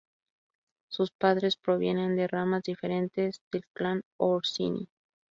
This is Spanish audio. Sus padres provienen de ramas diferentes del clan Orsini.